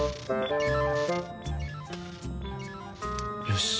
よし。